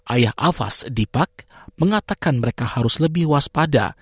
ayah alvas dipak mengatakan mereka harus lebih waspada